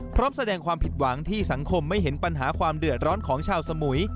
พร้อมแสดงความผิดหวังที่สังคมไม่เห็นปัญหาความเดือดร้อนของชาวสมุย